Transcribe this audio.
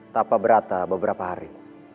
tapa berata beberapa hari